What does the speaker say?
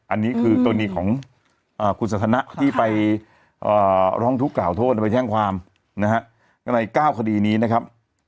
อันนี้คือกรณีของคุณสันทนะที่ไปร้องทุกข่าโทษไปแจ้งความนะฮะใน๙คดีนี้นะครับ